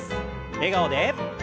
笑顔で。